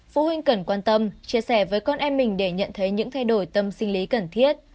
phụ huynh cần quan tâm chia sẻ với con em mình để nhận thấy những thay đổi tâm sinh lý cần thiết